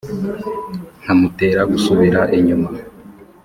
Nkamutera gusubira inyuma